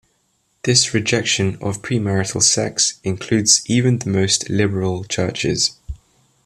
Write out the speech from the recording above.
This rejection of premarital sex includes even the most liberal churches.